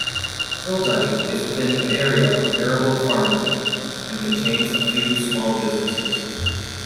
Hilldyke is within an area of arable farmland, and contains a few small businesses.